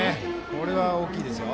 これは大きいですよ。